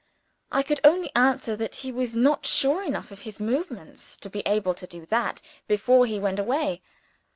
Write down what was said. I could only answer that he was not sure enough of his movements to be able to do that before he went away.